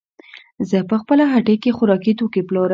زه په خپله هټۍ کې خوراکي توکې پلورم.